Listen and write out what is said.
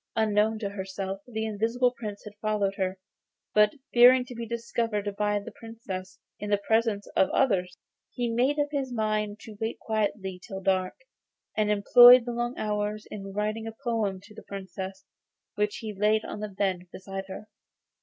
Unknown to herself the Invisible Prince had followed her, but fearing to be discovered by the Princess in the presence of others, he made up his mind to wait quietly till dark; and employed the long hours in writing a poem to the Princess, which he laid on the bed beside her.